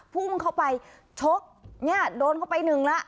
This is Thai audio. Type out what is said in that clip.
พุ่งเข้าไปชกเนี่ยโดนเข้าไปหนึ่งแล้ว